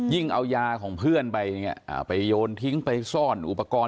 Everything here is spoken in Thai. เอายาของเพื่อนไปไปโยนทิ้งไปซ่อนอุปกรณ์